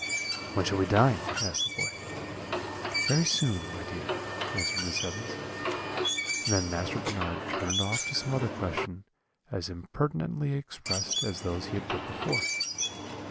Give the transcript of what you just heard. "'When shall we dine?' asked the boy. "'Very soon, my dear,' answered Miss Evans. "And then Master Bernard turned off to some other question, as impertinently expressed as those he had put before.